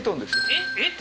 えっ？